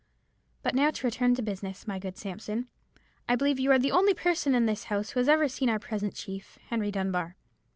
But now to return to business, my good Sampson. I believe you are the only person in this house who has ever seen our present chief, Henry Dunbar."